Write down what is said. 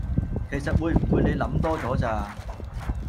其實會唔會你諗多咗咋？